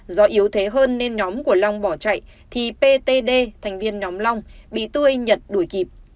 điều thế hơn nên nhóm của long bỏ chạy thì ptd thành viên nhóm long bị tươi nhật đuổi kịp